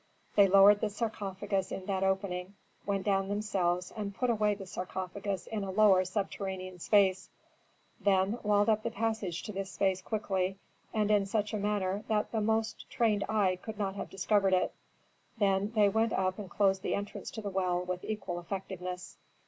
They lowered the sarcophagus in that opening, went down themselves, and put away the sarcophagus in a lower subterranean space, then walled up the passage to this space quickly and in such a manner that the most trained eye could not have discovered it; then they went up and closed the entrance to the well with equal effectiveness.